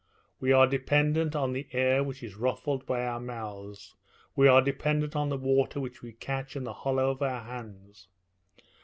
We are dependent on the air which is ruffled by our mouths; we are dependent on the water which we catch in the hollow of our hands.